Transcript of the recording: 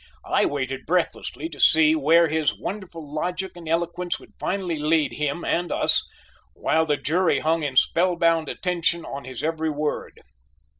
I waited breathlessly to see where his wonderful logic and eloquence would finally lead him and us, while the jury hung in spellbound attention on his every word.